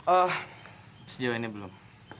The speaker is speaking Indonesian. oh sejauh ini belum